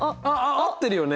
合ってるよね？